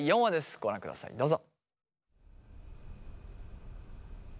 ご覧くださいどうぞ！